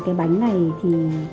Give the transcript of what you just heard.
cái bánh này thì